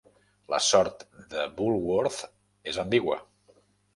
La sort de Bulworth és ambigua.